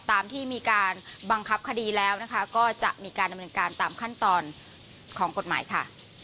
ตามที่มีการบังคับคดีแล้วนะคะก็จะมีการดำเนินการตามขั้นตอนของกฎหมายค่ะ